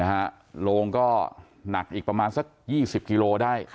นะฮะโลงก็หนักอีกประมาณสักยี่สิบกิโลได้